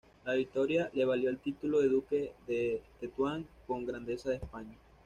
La victoria le valió el título de duque de Tetuán con Grandeza de España.